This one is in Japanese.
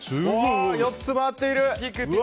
４つ回っている！